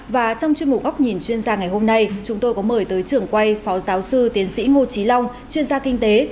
và trong chuyên mục góc nhìn chuyên gia ngày hôm nay chúng tôi có mời tới trưởng quay phó giáo sư tiến sĩ ngô trí long chuyên gia kinh tế